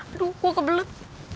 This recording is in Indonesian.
aduh gue kebelet